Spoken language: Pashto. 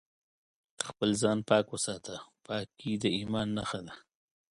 خپل ځان پاک وساته ، پاکي د ايمان نښه ده